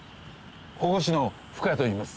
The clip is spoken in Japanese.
保護司の深谷といいます。